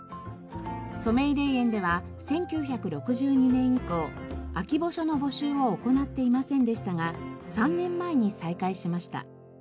染井霊園では１９６２年以降空き墓所の募集を行っていませんでしたが３年前に再開しました。